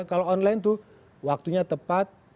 kalau online itu waktunya tepat